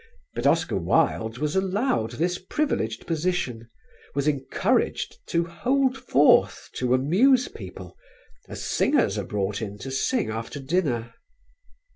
But Oscar Wilde was allowed this privileged position, was encouraged to hold forth to amuse people, as singers are brought in to sing after dinner.